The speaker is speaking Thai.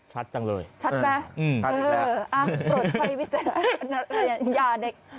ชัดจังเลยชัดไหมอืมชัดอีกแล้วเอออ่าโปรดใช้วิจารณญาใน